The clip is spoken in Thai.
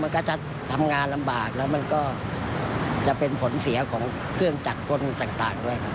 มันก็จะทำงานลำบากแล้วมันก็จะเป็นผลเสียของเครื่องจักรกลต่างด้วยครับ